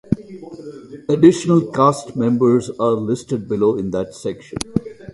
Additional cast members are listed below in that section.